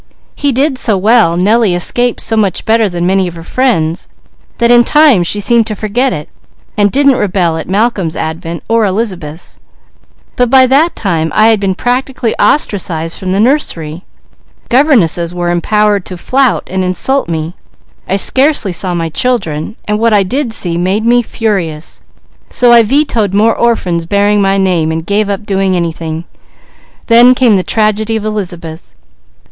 "He did so well, Nellie escaped so much better than many of her friends, that in time she seemed to forget it and didn't rebel at Malcolm's advent, or Elizabeth's, but by that time I had been practically ostracized from the nursery; governesses were empowered to flout and insult me; I scarcely saw my children, and what I did see made me furious, so I vetoed more orphans bearing my name, and gave up doing anything. Then came the tragedy of Elizabeth.